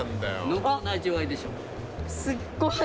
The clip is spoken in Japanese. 濃厚な味わいでしょ。